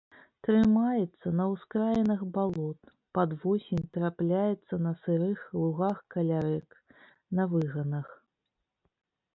Трымаецца на ўскраінах балот, пад восень трапляецца на сырых лугах каля рэк, на выганах.